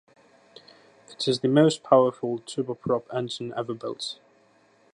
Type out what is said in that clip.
It is the most powerful turboprop engine ever built.